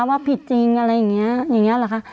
ว่าผิดจริงอะไรอย่างเงี้ยอย่างเงี้ยแหละคะ